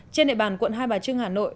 trên địa bàn quận hai bà trưng hà nội